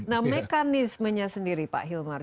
nah mekanismenya sendiri pak hilmar